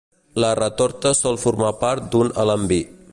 La retorta sol formar part d'un alambí.